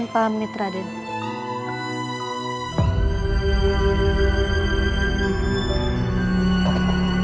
amba mitra raden